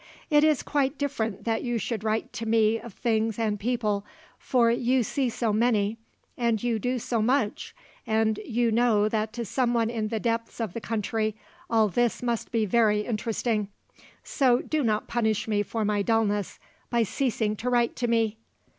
It is quite different that you should write to me of things and people; for you see so many and you do so much and you know that to someone in the depths of the country all this must be very interesting. So do not punish me for my dullness by ceasing to write to me.